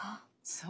そう。